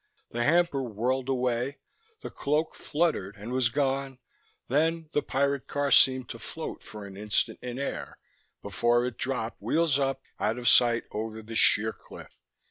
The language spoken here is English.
The hamper whirled away, the cloak fluttered and was gone, then the pirate car seemed to float for an instant in air, before it dropped, wheels up, out of sight over the sheer cliff.